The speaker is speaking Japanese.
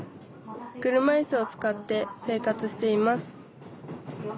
車いすを使って生活しています